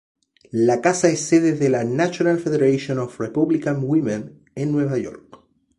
La casa es sede de la National Federation of Republican Women en Nueva York.